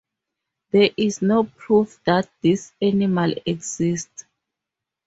There is no proof that this animal exists.